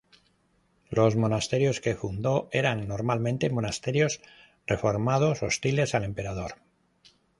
Los monasterios que fundó eran normalmente monasterios reformados hostiles al emperador.